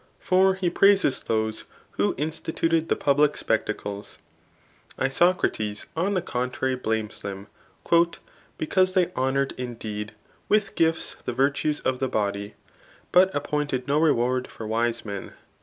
For he praises those who in stituted the public spectacles. Isocrates on the contrary blames them, " Because they honoured indeed with gifts the virtues of the body ; but appointed no reward for wise men."